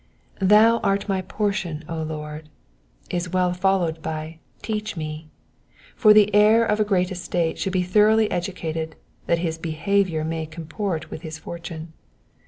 Thou art my portion, O Lord," is well followed by "teach me" ; for the heir of a. great estate should be thoroughly educated, that his behaviour may comport with his fortune.